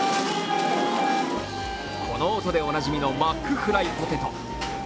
この音でおなじみのマックフライポテト。